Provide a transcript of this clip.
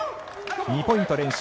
２ポイント連取